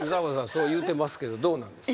そう言うてますけどどうなんですか？